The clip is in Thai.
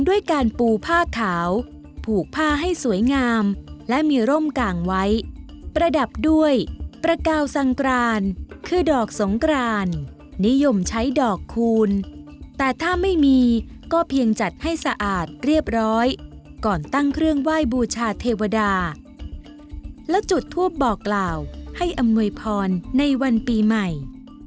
ด้วยการปูผ้าขาวผูกผ้าให้สวยงามและมีร่มกลางไว้ประดับด้วยประกาวสังกรานคือดอกสงกรานนิยมใช้ดอกคูณแต่ถ้าไม่มีก็เพียงจัดให้สะอาดเรียบร้อยก่อนตั้งเครื่องไหว้บูชาเทวดาแล้วจุดทูปบอกกล่าวให้อำนวยพรในวันปีใหม่